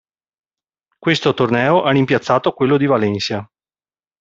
Questo torneo ha rimpiazzato quello di Valencia.